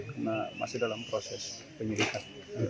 karena masih dalam proses penyelidikan